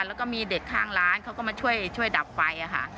แล้วก็มีเด็กข้างร้านเขาก็มาช่วยดับไฟค่ะ